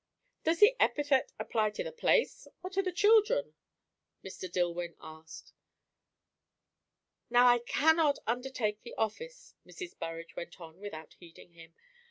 "Does the epithet apply to the place? or to the children?" Mr. Dillwyn asked. "Now I cannot undertake the office," Mrs. Burrage went on without heeding him.